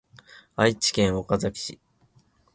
愛知県岡崎市